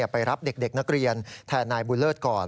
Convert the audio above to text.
ไปรับเด็กนักเรียนแทนนายบุญเลิศก่อน